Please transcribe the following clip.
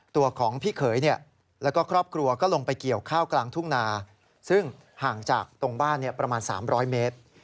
ตัวของพี่เขยแล้วก็ครอบครัวก็ลงไปเกี่ยวข้าวกลางทุ่งนาซึ่งห่างจากตรงบ้านประมาณ๓๐๐เมตร